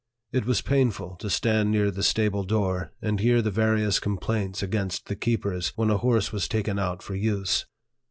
It was painful to stand near the stable door, and hear the various complaints against the keepers when a horse was taken out for use.